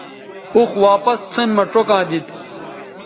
اوخ واپس سین مہ چوکاں دیتھ